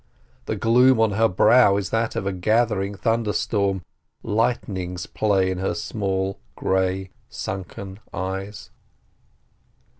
The gloom on her brow is that of a gathering thunder storm, lightnings play in her small, grey, sunken eyes.